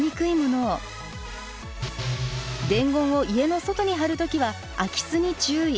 伝言を家の外に貼る時は空き巣に注意。